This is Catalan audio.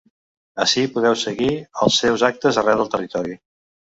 Ací podeu seguir els seus actes arreu del territori.